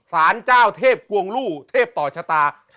สารเจ้าเทพกวงลู่เทพต่อชะตา